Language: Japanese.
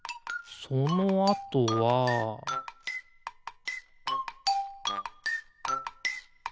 そのあとはピッ！